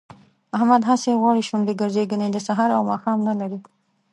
احمد هسې غوړې شونډې ګرځي، ګني د سهار او ماښام نه لري